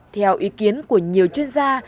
theo ý kiến của nhiều chuyên gia